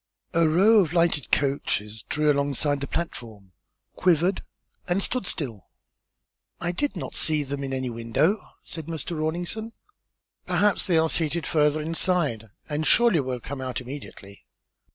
A row of lighted coaches drew alongside the platform, quivered, and stood still. "I did not see them in any window," said Mr. Rawlinson. "Perhaps they are seated further inside and surely will come out immediately."